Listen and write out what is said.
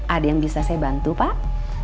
ada yang bisa saya bantu pak